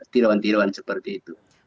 tiruan tiruan seperti itu